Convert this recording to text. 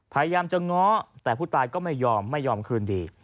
พยายามจะง้อแต่ผู้ตายก็ไม่ยอมไม่ยอมคืนดี